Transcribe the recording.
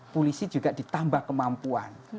polisi juga ditambah kemampuan